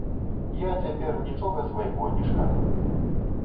Я цяпер нічога свайго не шкадую.